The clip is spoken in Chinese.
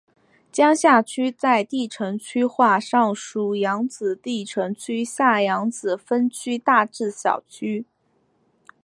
江夏区在地层区划上属扬子地层区下扬子分区大冶小区。